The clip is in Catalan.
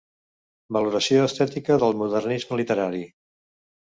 Valoració estètica del Modernisme literari.